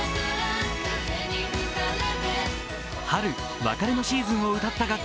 春、別れのシーズンを歌った楽曲。